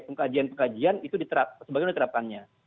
pengkajian pengkajian itu diterap sebagainya diterapkannya